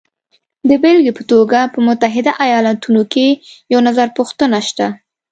د بېلګې په توګه په متحده ایالاتو کې یو نظرپوښتنه شته